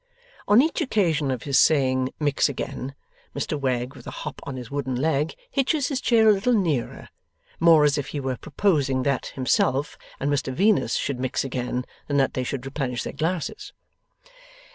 On each occasion of his saying 'mix again', Mr Wegg, with a hop on his wooden leg, hitches his chair a little nearer; more as if he were proposing that himself and Mr Venus should mix again, than that they should replenish their glasses.